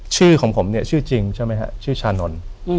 ชื่อของผมเนี่ยชื่อจริงใช่ไหมฮะชื่อชานนท์